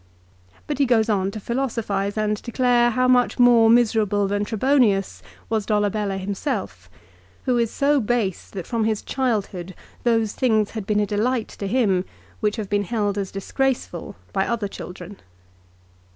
But he goes on to philosophise and declare how much more miserable than Trebonius was Dolabella himself, who is so base that from his childhood those things had been a delight to him which have been held as disgraceful by other children.